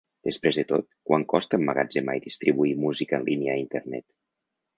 Després de tot, quant costa emmagatzemar i distribuir música en línia a Internet?